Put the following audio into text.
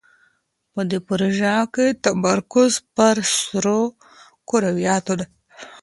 په دې پروژه کې تمرکز پر سرو کرویاتو دی.